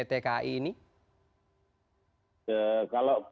kalau lihat kapabilitas dan kapasitasnya ini adalah penunjukan yang sangat penting